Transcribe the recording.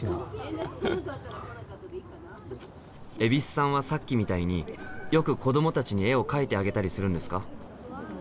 蛭子さんはさっきみたいによく子どもたちに絵を描いてあげたりするんですか？